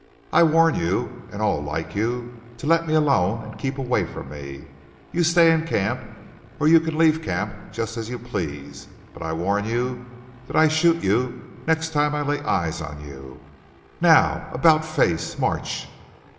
I warn you, and all like you, to let me alone and keep away from me. You stay in camp, or you can leave camp, just as you please, but I warn you that I shoot you next time I lay eyes on you. Now, about face! March!"